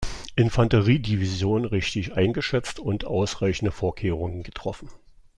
Infanteriedivision richtig eingeschätzt und ausreichende Vorkehrungen getroffen.